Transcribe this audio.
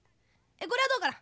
これはどうかな？